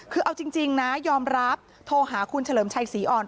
คือเอาจริงนะยอมรับโทรหาคุณเฉลิมชัยศรีอ่อน